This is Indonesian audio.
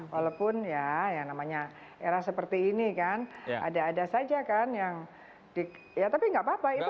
walaupun ya yang namanya era seperti ini kan ada ada saja kan yang di ya tapi nggak apa apa itu